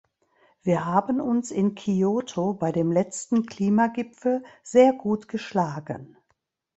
Wir haben uns in Kyoto bei dem letzten Klimagipfel sehr gut geschlagen.